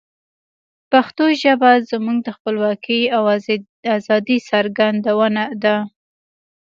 پښتو ژبه زموږ د خپلواکۍ او آزادی څرګندونه ده.